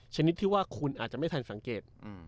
ชนิดที่ว่าคุณอาจจะไม่ทันสังเกต